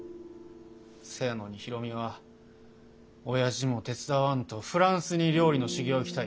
そやのに大海はおやじも手伝わんとフランスに料理の修業行きたい